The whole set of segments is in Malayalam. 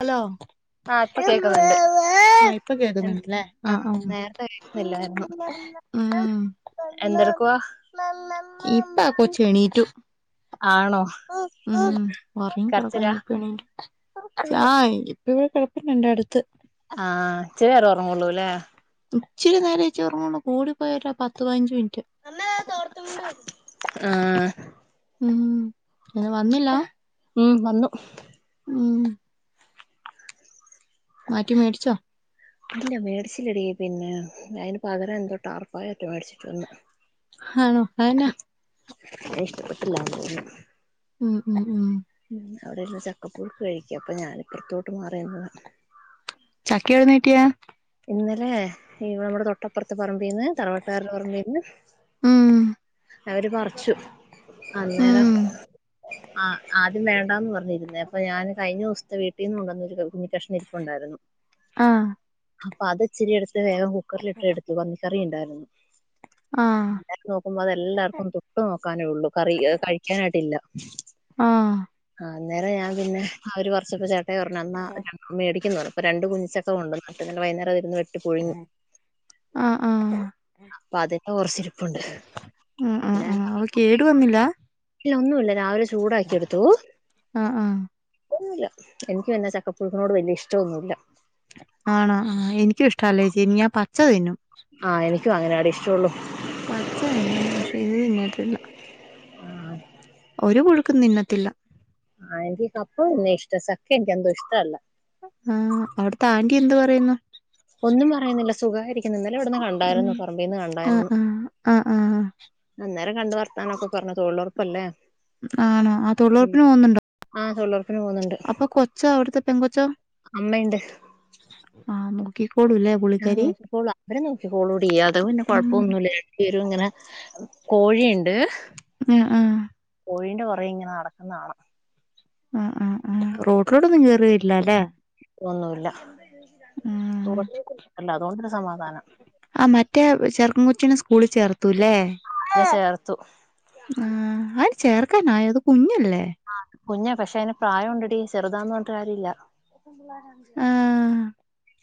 ഹലോ ആ ഇപ്പോ ആ ഇപ്പൊ കേൾക്കുന്നുണ്ട് കേക്കുന്നുണ്ടല്ലേ ആ നേരത്തെ കേക്കുന്നില്ലായിരുന്നു ഉം എന്തെടുകുവാ ഇപ്പ ആ കൊച്ച് എണീട്ടു ആണോ ഉം ഒറങ്ങി കരച്ചിലാ കിടക്കന്നപ്പണ ആ ഇപ്പ ഇവിടെ കിഴപ്പണ്ട് അടുത്ത് ആഹ് ഉച്ചവരെ ഉറങ്ങൊള്ളൂ ല്ലേ ഇച്ചിരി നേരം ഉറങ്ങോല്ലു കൂടി പോയാൽ ഒരു പത്ത് പതിനഞ്ചു മിനിറ്റ് അമ്മാ ഇതാ തോർത്തുമുണ്ട് ആഹ് ഉം അ വന്നില്ല ഉം വന്നു ഉം മാറ്റി മേടിച്ചോ ഇല്ല മേടിച്ചില്ലടി പിന്നെ അതിന് പകരം എന്തോ ടർഫായിറ്റോ എന്തോമേടിച്ചിട്ട് വന്ന് ആഹ് അതന്നെ ഇഷ്ടപ്പെട്ടില്ല തോന്നുന്നു ഉം ഉം ഉം ഉ അവിടെന്ന് ചക്കപ്പുളക്ക് കഴിക്കുക അപ്പൊ ഞാനിപ്പറത്തോട്ട് മാറി നിന്ന് ചക്ക എവിടുന്ന് കിട്ടിയേ ഇന്നലെ ഇവിടെ നമ്മുടെ തൊട്ട അപ്പുറത്ത് പറമ്പിൽീന്ന് തറവാട്ടുകാടെ പറമ്പീന്ന് ഉം അവര് പറിച്ചു അന്നേരം ഉം ആ ആദ്യം വേണ്ടാന്ന് പറഞ്ഞിരുന്നേ അപ്പൊ ഞാന് കഴിഞ്ഞ ദിവസത്തെ വീട്ടിൽ നിന്ന് കൊണ്ടുവന്നൊരു കുഞ്ഞിക്കഷ്ണ ഇരിപ്പുണ്ടായിരുന്നു ആഹ് അപ്പൊ അത് ഇച്ചരി എടുത്ത് വേഗം കുക്കറില ഇട്ട് എടുത്തു മത്തിക്കറി ഉണ്ടായിരുന്നു ആ അതെല്ലാർക്കും തൊട്ട് നോക്കാനേള്ളൂ കറി കഴിക്കാനായിട്ടില്ല ആഹ് ആ അന്നേരം ഞാൻ പിന്നെ അവര് കുറച്ചപ്പ ചേട്ട പറഞ്ഞു അന്നാ മേടിക്കുന്ന രണ്ട് കുഞ്ഞിച്ചൊക്കെ ഉണ്ട് വൈകുന്നേരംരുന്ന് വെട്ട് പുഴുങ്ങി ആ അപ്പൊ അതിക്ക കുറച്ചിരിപ്പുണ്ട് ഏഹ് കേടുവന്നില്ല ഇല്ല ഒന്നുമല്ല രാവിലെ ചൂടാക്കി എടുത്തു ആ ഒന്നുമില്ല എനിക്ക് എന്നാ ചക്കപ്പുഴക്കിനോട് വലിയ ഇഷ്ടംന്നുമല്ല ആണോ എനിക്കും ഇഷ്ടല്ലേച്ചിരി ഞാൻ പച്ച തതിന്നും ആഹ് എനിക്കും അങ്ങനാവി ഇഷ്ടള്ളു പച്ച തിന്നും പക്ഷെ ഇത് തിന്നത്തില്ല ഒരു പുഴുക്കും തിന്നത്തില്ല ആ എനിക്ക് കപ്പ ഇന്നെ ഇഷ്ട ചക്ക അന്ത യെന്ത ഇഷ്ട്ടല്ല ആഹ് അവിടത്തെ ആന്റി എന്ത് പറയുന്നു ഒന്നും പറയുന്നില്ല സുഖായി ഇന്നലെ ഇവിടന്ന് ഉം, കണ്ടായിരുന്നു പറമ്പിൽന്ന് ആ കണ്ടായിരുന്നു ആ ആ ആ അന്നേരം കണ്ട വർത്താനൊക്കെ പറഞ്ഞു തൊഴിലുറപ്പല്ലേ ആണോ ആ തൊഴിലുറപ്പിന് പോകുന്നുണ്ടോ ആഹ് തൊഴിലറുപ്പിന് പോകുന്നുണ്ട് അപ്പൊ കൊച്ച അവിടത്തെ പെണ്കൊച്ച അമ്മയുണ്ട് ആഹ് മുക്കിക്കോടുല്ലേ ആഹ് നോക്കികൊള്ളും അവരെ നോക്കിക്കൊളൂ ടി അത് പിന്നെ ഉം, കൊഴപ്പമൊന്നുമില്ലേ ചേരും ഇങ്ങനെ കോഴിയുണ്ട് ആഹ് ആഹ് കോഴിന്റെ പൊറകെ ഇങ്ങനെ നടക്കുന്ന കാണാം ആഹ് ആഹ് ആഹ് റോഡിലോട്ടൊ ന്നും കേറി വരില്ല അല്ലേ ഒന്നുമില്ല ഉം. റോഡിലേക്കൊന്നുമില്ല അതുകൊണ്ടൊരു സമാധാനം ആ മറ്റേ ചെറുക്കൻ കൊച്ചിനെ സ്കൂളിൽ ചേർത്തൂല്ലേ ചേർത്തും ആഹ് അതിന് ചേർക്കാനായോ അത് കുഞ്ഞല്ലേ ആഹ് കുഞ്ഞാ പക്ഷെ അയിന് പ്രായം ഉണ്ടടി ചെറുതാന്ന് പറഞ്ഞിട്ട് കാര്യംഇല്ല എൽ ആ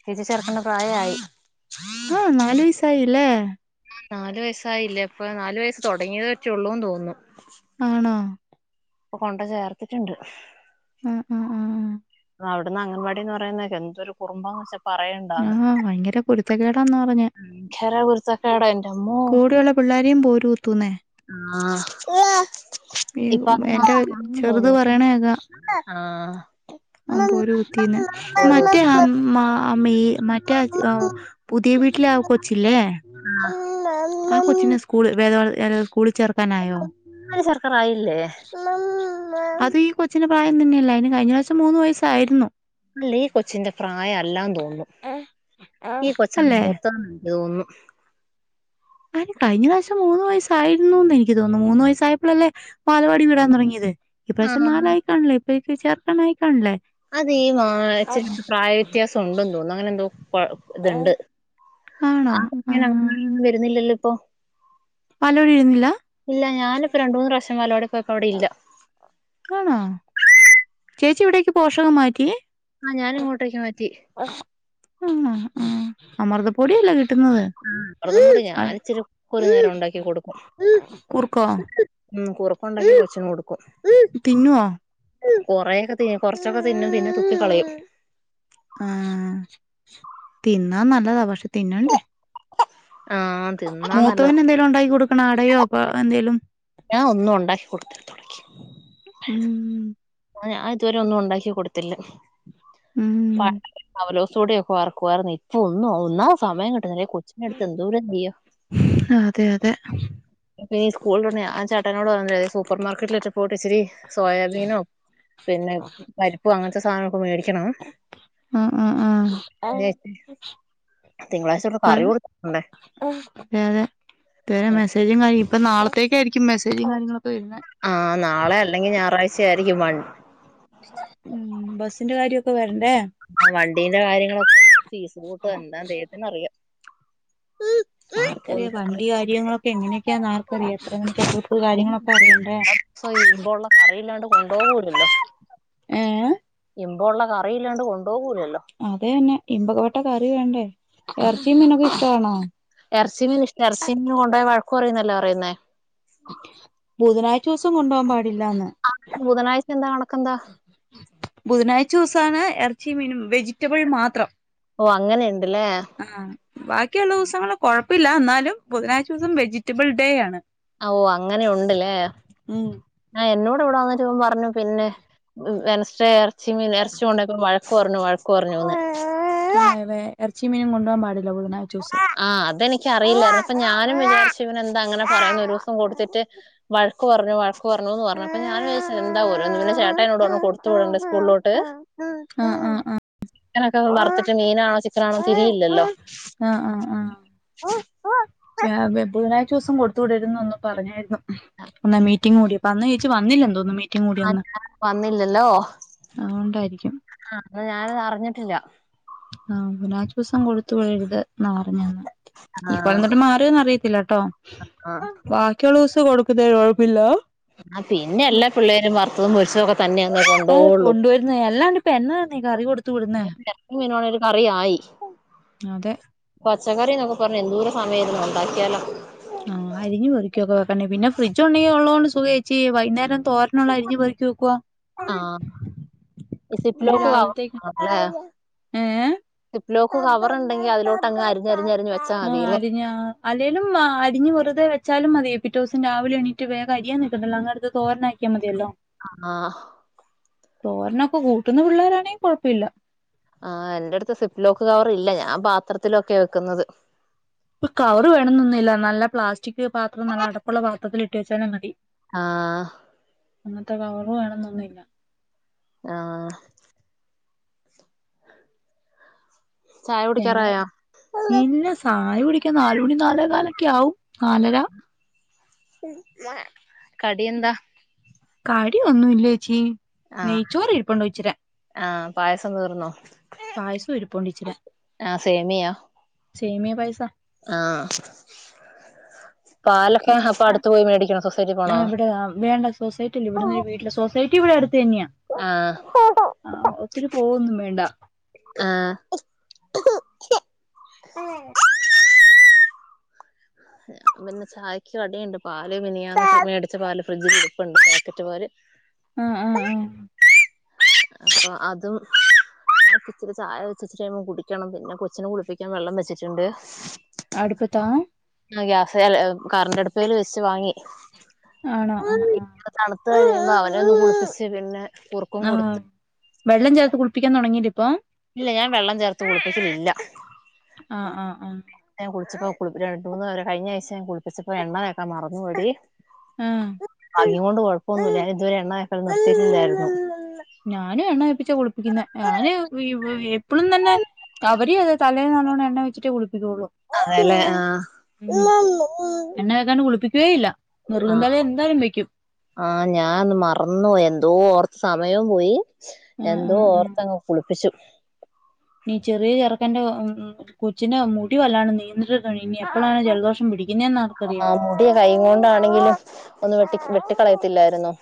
കെ ജി ചേർക്കണ്ട പ്രായമായി മം നാല് വയസ്സായില്ലേ ആഹ് നാല് വയസായില്ലേ അപ്പോ നാല് വയസ്സ് തുടങ്ങിവെച്ചുള്ളൂന്ന് തോന്നുന്നു ആണോ ഇപ്പോ കൊണ്ട്‌ ചേർത്തിട്ടുണ്ട് ആഹ് ആഹ് ആഹ് അവിടന്ന് അംഗൻവാടിന്ന് പറയുന്ന കേക്കാം എന്തൊരു കുറുമ്പ ചെ ആ പറയണ്ടാന്ന് ഭയങ്കര കുരുത്തക്കേടാന്ന് പറഞ്ഞ്. ഭയങ്കര കുരുത്തക്കേടാ എന്റെ അമ്മോ കൂടെയുള്ള പിള്ളേരെയും പോര് കുത്തുന്നേ ആഹ് ഈ ഇപ്പൊ അത് എന്റെ മാത്രമാണെന്ന് ചെറുത് തോന്നുന്നു പറയണ കേക്കാം പോര് കുത്തിന്ന് മറ്റേ ആ മ ആ മേ മറ്റേ പുതിയ വീട്ടിലെ ആ കൊച്ചില്ലേ ആഹ് ആ കൊച്ചിനെ സ്കൂളി വേദപാഠം സ്കൂളിൽ ചേ ഒന്നിൽ ചേർക്കറായില്ലേ അച്ചുവിന്റെ പ്രായം തന്നെയല്ലേ അതിന് കഴിഞ്ഞ പ്രാവശ്യം മൂന്ന് വയസ്സായിരുന്നു അല്ല ഈ കൊച്ചിന്റെ പ്രായം അല്ലാന്ന് തോന്നുന്നു ഈ കൊച്ചാ അല്ലേ? മൂത്തതെന്ന് എനിക്ക് തോന്നുന്നു ആര് കഴിഞ്ഞ പ്രാവശ്യം മൂന്ന് വയസായിരുന്നുന്ന് എനിക്ക് തോന്നുന്നു മൂന്ന് വയസ്സായപ്പോഴ് അല്ലേ ബാലവാടി വിടാൻ തുടങ്ങിയത് ഇപ്രാവശ്യം ആഹ് നാലായിക്കാണല്ലേ ഇപ്പഴേക്ക് ചേർക്കാൻ ആയികാ ണല്ലേ അത് ഈ ഇച്ചിരെ പ്രായവ്യത്യാസം ഉണ്ടന്ന് തോന്നുന്നു അങ്ങനെ എന്തോ കൊഴ ഇതുണ്ട് ആ കുഞ്ഞിന് അവിടെനൊന്നും വരുന്നില്ലല്ലോ ഇപ്പോ പാലോടി ഇരുന്നില്ല ഇല്ല ഞാനിപ്പോ രണ്ട്‌ മൂന്ന് പ്രാവശ്യം ബാലവാടി പോയപ്പോ അവിടെ ഇല്ല ആണോ ചേച്ചി ഇവിടേക്ക് പോഷകം മാറ്റി ആഹ് ഞാനും ഇങ്ങോട്ടേക്ക്‌ മാറ്റി ആഹ് ആഹ് അമൃത പൊടി അല്ലേ കിട്ടു അതുകൊണ്ട് ഞാൻ ഇച്ചിരി ഒരു നേരം ഉണ്ടാക്കി കൊടുക്കും കുറുക്കോ ഉം കുറക്കുണ്ടാക്കി കൊച്ചിന് കൊടുക്കും തിന്നുവോ കൊറെക്കെ തി കൊറച്ചൊക്കെ തിന്നും പിന്നെ തുപ്പി കളയും ആഹ് തിന്നാൽ നല്ലതാ പക്ഷേ തിന്നണ്ടേ ആഹ് തിന്നാ നല്ലതാ വല്ലോം ഉണ്ടാക്കി കൊടുക്കണം അടയോ പ എന്തേലും ഞാൻ ഒന്നും ഉണ്ടാക്കി കൊടുത്ത ഉം ഞാൻ ഇതുവരെയും ഒന്നും ഉണ്ടാക്കി കൊടുത്തില്ല ഉം പണ്ട് അവലോസു പൊടി ഒക്കെ വറ ക്കുവായിരുന്നേ ഇപ്പോ ഒന്നും ഒന്നാതെ സമയം കിട്ടുന്നില്ല അടുത്തതെന്തൊ രെതിയ അതെ അതെ പിന്നെ സ്കൂളിലൊള്ളെയെ ആഹ ചാട്ടനോട് വന്നാമതി സൂപ്പർ മാർക്കറ്റിലിട്ട് പോയിട്ടിച്ചിരി സോയാബീനോ പിന്നെ പരിപ്പ് അങ്ങനത്തെ സാധനങ്ങളൊക്കെ മേടിക്കണം ആ ആ ആ ഏഹ് തിങ്കളാഴ്ച്ച ഒട്ട്കറി കൊടുക്കണ്ടേ അതെ അതെ ഇതുവരെ മെസ്സേജും കാര്യം ഇപ്പൊ നാളത്തേക്കാരിക്കും മെസ്സേജും കാര്യങ്ങളൊക്കെ വരുന്നേ ആഹ് നാളെ അല്ലെങ്കിൽ ഞായറാഴ്ച ആരിക്കും വ- ഉം ബസ്സിന്റെ കാര്യവൊക്കെ വരണ്ടേ ആഹ് വണ്ടീന്റെ കാര്യങ്ങളൊക്കെ ഫീസ് കൂട്ടോ എന്താ ദൈവത്തിനറിയാം ആർക്കറിയ വണ്ടി കാര്യങ്ങളൊക്കെ എങ്ങനെയൊക്കെയാന്ന് ആർക്കറിയാം എത്രമണിക്കാ ട്രി- [unintelligible] ഏഹ് ഇമ്പൊള്ള കറി ഇല്ലാണ്ട് കൊണ്ടോകൂലല്ലോ അതെയന്നെ ഇമ്പൊക്കവെട്ട കറി വേണ്ടേ ഇറച്ചീമീനൊക്കെ ഇഷ്ടാണോ എറച്ചീമിനും ഇഷ്ടാ എറച്ചിമിനും കൊണ്ടോയ വഴക്കു പറയുന്നല്ലേ പറയുന്നേ ബുധനാഴ്ചൂസം കൊണ്ടുപോവാൻ പാടില്ലാന്ന് ആഹ് ബുധനാഴ്ച എന്താ കണക്കെന്താ ബുധനാഴ്ച്ചൂസാണ് ഇറച്ചി മീനും വെജിറ്റബിൾ മാത്രം ഓഹ് അങ്ങനിണ്ടല്ലേ ആഹ് ബാക്കിയൊള്ളൂസങ്ങള് കൊഴപ്പില്ല അന്നാലും ബുധനാഴ്ച ദിവസം വെജിറ്റബിൾ ഡേയാണ് ഓഹ് അങ്ങനെ ഉണ്ട് ലേ ഉം ആഹ് എന്നോട് ഇവടെ വന്നിട്ടിവൻ പറഞ്ഞു പിന്നെ വെനസ്ഡേ എറച്ചി മീനും ഇറച്ചി ഒണ്ടകുമ്പം വഴ- കൊറഞ്ഞു വഴക്കു പറഞ്ഞൂന്ന് ആഹ് വേ എറച്ചി മീനും കൊണ്ടോവാൻ പാടില്ല ബുധനാഷ്ച്ചൂസം ആഹ് അതെനിക്കറിയില്ലാരുന്നു അപ്പൊ ഞാനും വിചാരിച്ചു ഇവന് എന്താ അങ്ങനെ പറയുന്നേ ഒരു ദിവസം കൊടുത്തിട്ട് വഴക്കു പറഞ്ഞു വഴക്കു പറഞ്ഞുന്ന് പറഞ്ഞു അപ്പ ഞാന് വിചാരിച്ച് എന്താ ഓരോന്നിങ്ങനെ പിന്നേ ചേട്ടായിങ്ങനെ എന്നോട് പറഞ്ഞു കൊടുത്തു വിടണ്ടാ സ്കൂളിലോട്ട് ആഹ് ആഹ് ആഹ് ചിക്കനൊക്കെ വറത്തിട്ട് മീനാണോ ചിക്കനാണോ തിരിയില്ലല്ലോ ആഹ് ആഹ് ആഹ് [inaudible] [unintelligible] ബുധനാഴ്ചൂസം കൊടുത്തുവിടരുതെന്ന് പറഞ്ഞാരുന്നു അന്ന് മീറ്റിംഗ് കൂടീപ്പം അന്ന് ചേച്ചി വന്നില്ലാതോന്നു മീറ്റിംഗ് കൂടിയ ആഹ് അന്ന് ഞാൻ വന്നില്ലല്ലോ അതുകൊണ്ടാരിക്കും ആഹ് അത് ഞാന് അറിഞ്ഞിട്ടില്ല ആഹ് ബുധനാഴ്ച്ചൂസം കൊടുത്തു വിടരുത് ന്നാ പറഞ്ഞെന്ന് ഇപ്പൊ ആഹ് ഇന്നിട്ട് മാറിയോന്നറിയത്തില്ലട്ടോ ആഹ് [unintelligible] കൊടുക്കുന്നേന് കൊഴപ്പില്ല ആഹ് പിന്നെ എല്ലാ [unintelligible] പിള്ളേരും വറുത്തതും പൊരിച്ചതൊക്കെ തന്നെയാന്നേ കൊണ്ടോവുള്ളൂ കൊണ്ടുവരുന്നേ അല്ലാണ്ടിപ്പ എന്നതാന്നെ കറി കൊടു- ത്തുവിടുന്നേ ന്നും ഇയിനോരു കറിയായി അതെ പച്ചക്കറിന്നൊക്കെ പറഞ്ഞ് എന്തൂരം സമയം ഇതിനു ഉണ്ടാക്കിയാലാ ആഹ് അരിഞ്ഞ് പെറുക്കിയൊക്കെ വെക്കണ്ടെ പിന്നെ ഫ്രിഡ്ജ് ഉണ്ടെങ്കി ഉള്ളതോണ്ട് സുഖാ ചേച്ചി വൈന്നേരം തോരനൊള്ളെ അരിഞ്ഞി പെറുക്കി വെക്കുവാ ആഹ് ഇ അണ്ട് സിപ്‌ലോക്ക് [unintelligible] രാവിലത്തേക്ക് ല്ലേ ഏ സിപ്പ്ലോക്ക് കവറുണ്ടെങ്കി അതിലോട്ടങ്ങ് അരിഞ്ഞരിഞ്ഞരിഞ്ഞു വച്ചാ ആഹ് അരിഞ്ഞാ അല്ലേലും ആഹ് അരിഞ്ഞ് വെറുതെ വെച്ചാലും മതി പിറ്റേ ഊസം രാവിലെ എണീറ്റ് വേഗം അരിയാൻ നിക്കണ്ടല്ലോ അങ്ങെടുത്ത് തോരനാ- ക്കിയാമതിയല്ലോ ആഹ് തോരനൊക്കെ കൂട്ടന്ന പിള്ളോരാണെ കൊഴപ്പില്ലാ ആഹ് എന്റടുത്ത് സിപ്പ്ലോക്ക് കവറില്ല ഞാൻ പാത്രത്തിലൊക്കെയാ വയ്ക്കുന്നത് ഇപ്പൊ കവറ് വേണന്നൊന്നുല്ല നല്ല പ്ലാസ്റ്റിക് പാത്രം നല്ല അടപ്പൊള്ള പാത്രത്തിൽ ഇട്ട് വെച്ചാലും മതി ആഹ് അങ്ങത്തെ കവർ വേണം എന്നൊന്നുല്ല. ആഹ് ചായ ഏഹ് കുടിക്കാറായോ ഇല്ല സായ കുടിക്കാൻ നാല് മണി നാലേകാലൊക്കെ ആവും നാലര കടി എന്താ. കടി ഒന്നുല്ലേച്ചി ആഹ് നെയ്ച്ചോറ് ഇരുപ്പൊണ്ട് ഉച്ചിര. ആഹ് പായസം തീർന്നോ? പായസം ഇരുപ്ണ്ടിച്ചിരെ ആഹ് സേമിയാ. സേമിയ പായസ. ആഹ് പാലൊക്കെ അപ്പൊ അടുത്ത് പോയി മേടിക്കോ സൊസൈറ്റി പോണോ. [unintelligible] വേണ്ട സൊസൈറ്റി അല്ല ഇവിടന്ന് ഒരു വീട്ടില് സൊസൈറ്റി ഇവടെ അടുത്ത് തന്നെയാ. ആഹ് ആ ഒത്തിരി പോവൊന്നും വേണ്ട ആഹ്. ആ പിന്നെ ചായയ്ക്ക് കടിയുണ്ട് പാല് മനിഞാന് മേടിച്ച പാല് ഫ്രിഡ്ജിൽ ഇരിപ്പുണ്ട് പാക്കറ്റ് പാല്. ആഹ് ആഹ് അപ്പൊ അതും. ഇച്ചിരിചായ വെച്ചച്ട് കുടിക്കണം പിന്നെ കൊച്ചിനെ കുളിപ്പിക്കാൻ വെള്ളം വെച്ചിട്ടുണ്ട്. അടുപ്പത്താ ആഹ് ഗ്യാസെല് കറണ്ടടുപ്പെല് വെച്ച് വാങ്ങി. ആണോ ആഹ് ആഹ് തണുത് കഴിയുമ്പോ അവനെ ഒന്ന് കുളപ്പിച്ച് പിന്നെ കു ആഹ് വെള്ളം ചേർത്ത് കുളിപ്പിക്കാൻ തൊടങ്ങില്ലേ ഇപ്പോ ഇല്ല ഞാൻ വെള്ളം ചേർത്ത് കുളപ്പിക്കലില്ല. ആഹ് ആഹ് ആഹ്. ഞാ കുളിച്ചപ്പോ കുളിപ്പ് രണ്ട് മൂന്ന് നേരം കഴിഞ്ഞ ആഴ്ച ഞാൻ കുളപ്പിച്ചപ്പോ എണ്ണതേക്ക മറന്നു പോയടി. ആ അതിനോണ്ട് കൊഴപ്പൊന്നുംല്ല ഇതുവരെ എണ്ണ തേക്കല് നിർത്തിട്ടില്ലാരുന്നു. ഞാനു എണ്ണ തേപ്പിച്ച കുളിപ്പിക്കുന്നെ ഞാന് [unintelligible] എപ്പോളും തന്നെ അവരേ അത് തലേൽ നല്ലോണ്ണം എണ്ണ വെച്ചിട്ടേ കുളിപ്പിക്കുള്ളൂ. അതേല്ലേ ആഹ് ഉം എണ്ണതേക്കണ്ട് കുളിപ്പിക്കേയില്ല. ആഹ് നെറുകന്താലെ എന്തായാലും വക്കും. ആഹ് ഞാൻ മറന്നു പോയി എന്തോ ഓർത്ത് സമയം പോയി. ആഹ് എന്തോ ആഹ് ഓർത്തങ്ങ് കുളിപ്പിച്ചു. ഇനീ ചെറിയ ചെറക്കന്റെ കൊച്ചിന്റെ മുടിവല്ലാണ് നീണ്ട്ട്ട ഇനി എപ്പോഴാണ് ജലദോഷം പിടിക്ക ക്കുന്നെന്ന് ആർക്കറിയാം [unintelligible] കൈ കൊണ്ടാണെങ്കിലും ഒന്ന് വെട്ടി വെട്ടിക്കളയത്തില്ലാരുന്നോ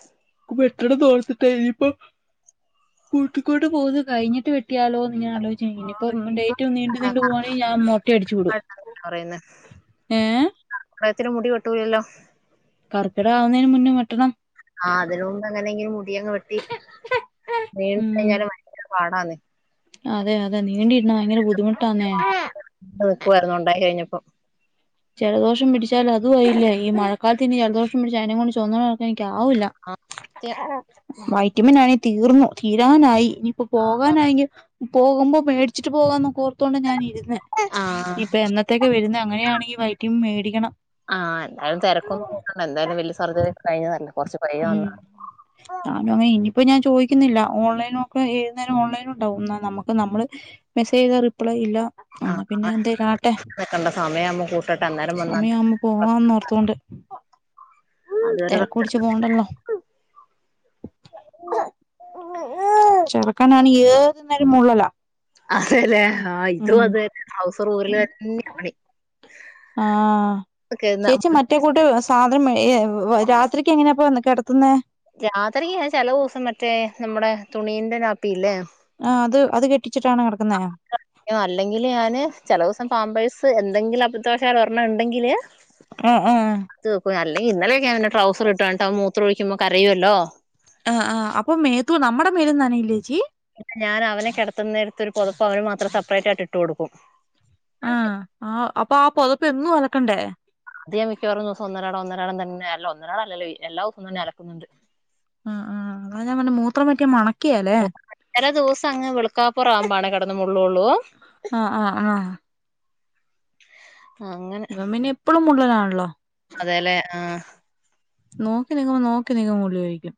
[unintelligible] തോർത്തിട്ടാ ഇനിപ്പോ കൂട്ടിക്കോണ്ട് പോക്ന്നാ കഴിഞ്ഞിട്ട് വെട്ടിയാലോ നിങ്ങനെ ആലോചി ഇനിപ്പോ ഇപ്പം ഡേറ്റ് നീണ്ടു നീണ്ടു പോവാണെങ്കി ഞാൻ മൊട്ട അടിച്ചു വിടും ഏഹ് [unintelligible] ത്തില് മുടി വെട്ടൂലല്ലോ. കർക്കിടകം ആവുന്നേന് മുന്നേ വെട്ടണം. ആഹ് അതിനുമുമ്പേങ്ങനെങ്കിലും മുടി അങ്ങ് വെട്ടി നീണ്ട് ഉം കഴിഞ്ഞാലും ഭയങ്കര പാടാനെ അതെ അതെ നീണ്ടിരുന്ന ഭയങ്കര ബുദ്ധിമുട്ടാന്നെ. നിക്കുവാരുന്നു ഒണ്ടായി കഴിഞ്ഞപ്പം. ജലദോഷം പിടിച്ചാൽ അതും ആയില്ലേ ഈ മഴക്കാലത്ത് ഇനി ജലദോഷം പിടിച്ചാ അതിനെകൊണ്ട് ചൊ എനിക്കാവുല്ല. ആ സത്യം വൈറ്റമിൻ ആണെ തീർന്നു തീരാനായി ഇനി ഇപ്പോ പോകാനായെങ്കി പോകുമ്പോ മേടിച്ചിട്ട് പോകാന്ന കോർത്തോണ്ടാ ഞാനിരുന്നേ ആ ആ ഇപ്പ എന്നത്തൊക്കെ വരുന്നെ അങ്ങനെയാണെങ്കി വൈറ്റമിൻ മേടിക്കണം. ആഹ് എന്തായാലും തെരക്കൊന്നും കൂട്ടണ്ട എന്തായാലും വല്യ സർജറി ഒക്കെ കഴിഞ്ഞതല്ലേ കൊറച്ച് ഉം ഞാനും അങ്ങനെ ഇനിയിപ്പ ഞാൻ ചോയിക്കുന്നില്ല ഓൺലൈനൊക്കെ ഏതുനേരോം ഓൺലൈനുണ്ടാവും ന്നാ നമുക്ക് നമ്മള് മെസ്സേചെയ്താ റിപ്ലേയില്ല എന്നാ പിന്നെ എന്തേലാട്ടെ എന്തക്കണ്ട് സമയം സമയാവുമ്പോ പോവാന്നോർത്തോണ്ട് അതുവരെ റെസ്റ്റ്. തെരക്കുട്ച്ചു പോണ്ടല്ലോ ചെർക്കനാണീ ഏത് നേരും മൂളലാ. അതെലെ ആ ഇതും ഉം അതന്നെ ഡ്രൗസറൂരലെന്നെ പണി ആഹ് ചേച്ചി മറ്റേ കൂട്ട് സാധനം മ്മ് രാത്രിക്കെങ്ങനെപ്പോ കെടത്തുന്നെ? രാത്രില് ചെല ദിവസം മറ്റേ നമ്മടെ തുണീന്റെ നാപ്പിയില്ലേ ആഹ് അത് അത് കെട്ടിച്ചിട്ടാണോ കെടക്കുന്നെ [inaudible] അല്ലെങ്കില് ഞാന് ചെലദിവസം പാമ്പേഴ്സ് എന്തെങ്കിലും അബത്തവശാലൊരണ്ണം ഇണ്ടെങ്കില് [unintelligible] ഏഹ് ഏഹ് ആഹ് ത് പ്പം അല്ലെങ്കി ഇന്നലെയൊക്കെ ഞാൻ അവെന്റെ ട്രൗസറ്ട്ടാണ്ടത് മൂത്രാെഴിക്കുമ്പം കരയുവല്ലോ ആഹ് ആഹ് അപ്പൊ മേത്തു നമ്മടെ മേലും നനയില്ലേച്ചി പിന്നെ ഞാനവനെ കെടെത്തുന്നേടെത്തൊരു പൊതപ്പ് അവനു മാത്രം സപ്പ്റേറ്റായ്ട്ട് ഇട്ട് കൊട്ക്കും. ആഹ് ആഹ് അപ്പൊ ആ പൊതെപ്പ് എന്നും അലക്കണ്ടേ അത് ഞാൻ മിയ്ക്കവാറും ദ്‌വ്സം ഒന്നരാടം ഒന്നരാടം തന്നെ അല്ല ഒന്നരാടം അല്ലല്ലോ എല്ലാ ദ്‌വ്സവും തന്നെ അലക്കുന്നുണ്ട്. ആഹ് ആഹ് അതാ ഞാൻ പർഞ്ഞെ മൂത്രം പറ്റിയാ മണയ്ക്ക്കേലേ ചെലെ ദ്‌വ്സങ്ങ് വെള്ക്കാപ്പുറാവ്മ്പാണെ കെടെന്ന് മുള്ളോള്ളൂ ആഹ് ആഹ് ആഹ് ഇവൻ പിന്നെ എപ്പെഴും മുള്ളലാൺല്ലോ അതേല്ലെ ആഹ് നോക്കി നിയ്ക്കുമ്പം നോക്കി നിയ്ക്കുമ്പം മുള്ളി ഒഴിക്കും